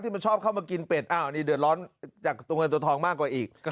มันชอบเข้ามากินเป็ดอ้าวนี่เดือดร้อนจากตัวเงินตัวทองมากกว่าอีก